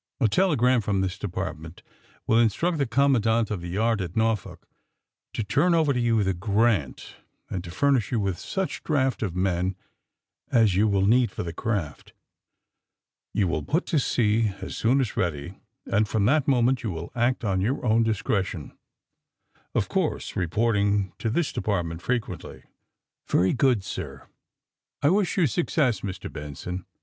^*A tele gram from this Department will instruct tlie Commandant of tlie Yard at Norfolk to turn over to you tlie * Grant, ^ and to furnish you with such draft of men as 3^ou will need for the craft. You will pnt to sea as soon as ready, and from that moment you will act on your own discretion, of course reporting to this Department fre quently. " Very good, sir." ^^I wish you success, Mr. Benson!"